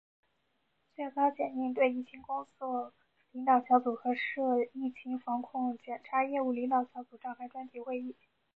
最高检应对疫情工作领导小组和涉疫情防控检察业务领导小组召开专题会议